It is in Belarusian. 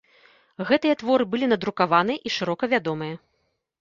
Гэтыя творы былі надрукаваныя і шырока вядомыя.